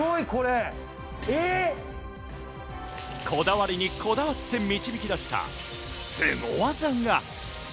こだわりにこだわって導き出したスゴ技が！